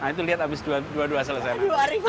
itu lihat abis dua puluh dua selesai